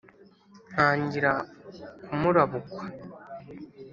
ntangira kumurabukwa